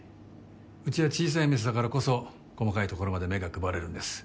うちは小さい店だからこそ細かいところまで目が配れるんです。